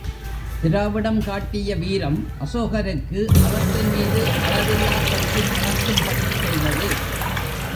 திராவிடம் காட்டிய வீரம் அசோகருக்கு அறத்தின் மீது அளவிலாப் பற்றுப் பிறக்கும்படிச் செய்தது.